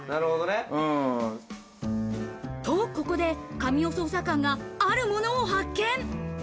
と、ここで神尾捜査官があるものを発見。